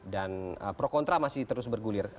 dan pro kontra masih terus bergulir